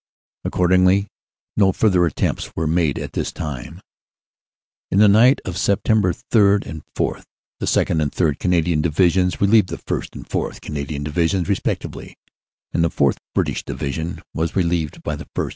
Accordingly, no further attempts were made at this time. "In the night of Sept. 3 4 the 2nd. and 3rd. Canadian Divi sions relieved the 1st. and 4th. Canadian Divisions respectively, and the 4th. (British) Division was relieved by the 1st.